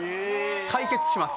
対決します